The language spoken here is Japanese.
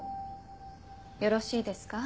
よろしいですか？